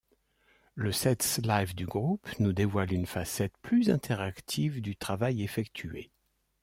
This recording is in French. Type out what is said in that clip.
Le sets Live du groupe nous dévoile une facette plus interactive du travail effectué.